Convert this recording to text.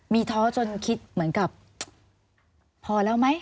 มีท้อจนคิดเหมือนกับพอแล้วไหม